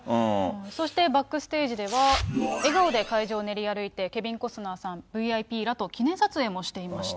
そして、バックステージでは、笑顔で会場を練り歩いて、ケビン・コスナーさん、ＶＩＰらと記念撮影もしていました。